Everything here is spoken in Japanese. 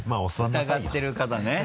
疑ってる方ね。